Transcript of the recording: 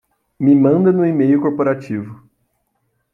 Me manda no e-mail corporativo